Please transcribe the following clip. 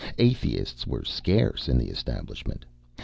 Atheists were scarce in the establishment.